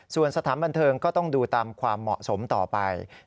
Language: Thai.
ส่วนสถานบันเทิงก็ต้องดูตามความเหมาะสมต่อไป